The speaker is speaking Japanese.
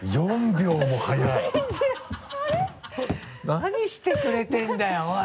何してくれてるんだよおい。